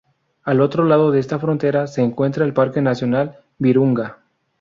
Al otro lado de esta frontera se encuentra el Parque Nacional Virunga.